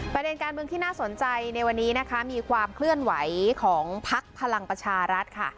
ประเด็นการเมืองที่น่าสนใจในวันนี้นะคะมีความเคลื่อนไหวของพักพลังประชารัฐค่ะ